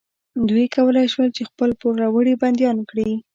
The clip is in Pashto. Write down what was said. دوی کولی شول چې خپل پوروړي بندیان کړي.